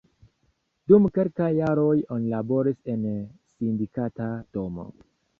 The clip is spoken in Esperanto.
Dum kelkaj jaroj oni laboris en la Sindikata Domo.